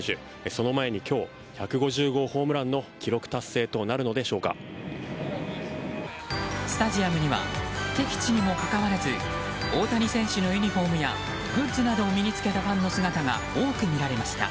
その前に今日１５０号ホームランのスタジアムには敵地にもかかわらず大谷センスのユニホームやグッズなどを身に着けたファンの姿が多く見られました。